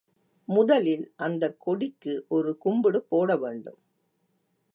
முதலில் அந்தக் கொடிக்கு ஒரு கும்பிடு போட வேண்டும்.